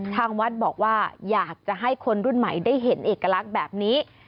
ทางวัดบอกว่าอยากจะให้คนรุ่นใหม่ได้เห็นเอกลักษณ์แบบนี้